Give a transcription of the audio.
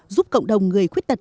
giúp cộng đồng người khuyết tật